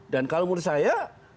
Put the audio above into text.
dan kalau menurut saya